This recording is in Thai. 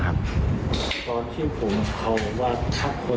ตอนที่ผมเขาบอกว่าทัพคนทัพคน